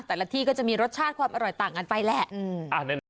แต่ละที่ก็จะมีรสชาติความอร่อยต่างกันไปแหละ